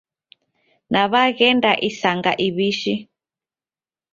Naw'aghenda isanga iw'ishi